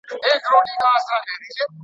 تشې هوراګانې هېڅکله د ملت خیټه نه سي مړولای.